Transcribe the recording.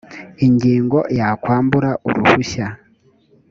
ingingo ya kwambura uruhushya